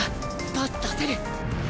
パス出せる！